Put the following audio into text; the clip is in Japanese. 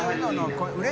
これ。